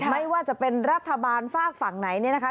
ไม่ว่าจะเป็นรัฐบาลฝากฝั่งไหนเนี่ยนะคะ